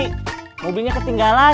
tekin nanti mobilnya ketinggalan